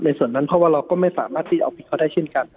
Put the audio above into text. ส่วนนั้นเพราะว่าเราก็ไม่สามารถที่จะเอาผิดเขาได้เช่นกัน